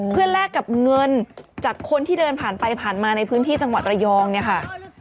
เพื่อแลกกับเงินจากคนที่เดินผ่านไปผ่านมาในพื้นที่จังหวัดระยองเนี่ยค่ะ